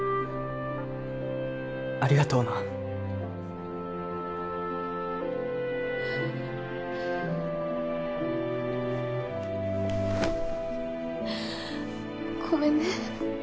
ありがとうなごめんね